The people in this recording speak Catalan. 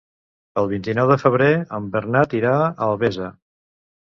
El vint-i-nou de febrer en Bernat irà a Albesa.